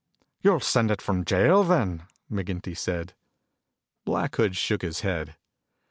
"You'll send it from jail, then," McGinty said. Black Hood shook his head.